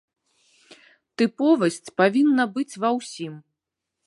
Тыповасць павінна быць ва ўсім.